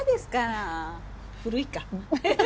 古いか。